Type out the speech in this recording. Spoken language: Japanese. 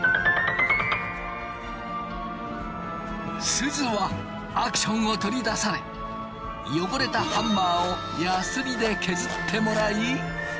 すずはアクションを取り出されよごれたハンマーをやすりで削ってもらい。